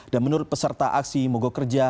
dan menurut peserta aksi mogok kerja